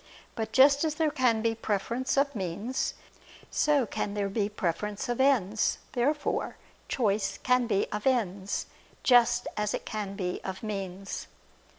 But just as there can be preference of means, so can there be preference of ends. Therefore choice can be of ends, just as it can be of means.